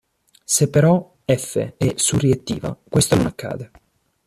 Se però "f" è suriettiva questo non accade.